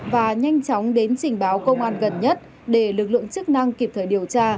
và nhanh chóng đến trình báo công an gần nhất để lực lượng chức năng kịp thời điều tra